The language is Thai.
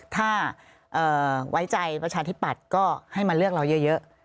ถ้าไว้ใจประชาธิปัตย์ก็ให้มาเลือกเราเยอะ